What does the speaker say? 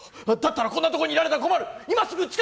だったらこんなところにいられたら困る！